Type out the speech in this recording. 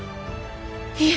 いえ。